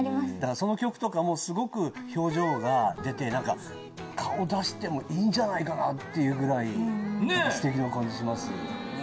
その曲とかもすごく表情が出て顔出してもいいんじゃないかなっていうぐらいステキな感じします。